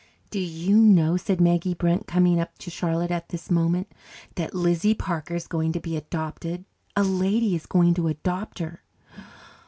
"Do you know," said Maggie Brunt, coming up to Charlotte at this moment, "that Lizzie Parker is going to be adopted? A lady is going to adopt her."